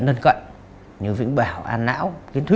nâng cận như vĩnh bảo an lão tiến thụy